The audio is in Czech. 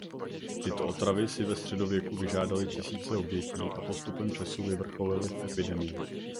Tyto otravy si ve středověku vyžádaly tisíce obětí a postupem času vyvrcholily v epidemie.